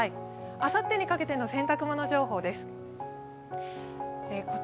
あさってにかけての洗濯物情報です。